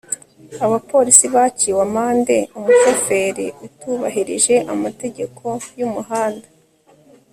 abapolisi baciwe amande umushoferi utubahirije amategeko y'umuhanda